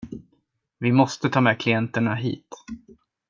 Vi måste ta med klienterna hit.